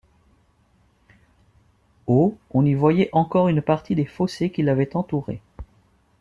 Au on y voyait encore une partie des fossés qui l'avaient entouré.